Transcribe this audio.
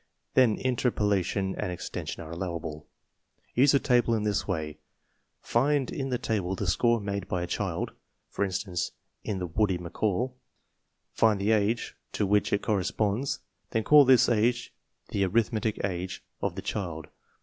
Then interpolation and extension are allowable. Use the table in this way: Find in the table the score made by a child (for instance in the Woody McCall); find the age to which it corresponds, then call this age the Arithmetic Age of the child.